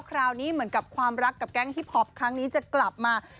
คราวนี้เหมือนกับความรักกับแก๊งฮิปพอปครั้งนี้จะกลับมา